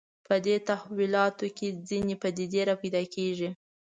په دې تحولاتو کې ځینې پدیدې راپیدا کېږي